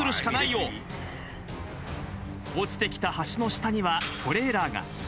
落ちてきた橋の下にはトレーラーが。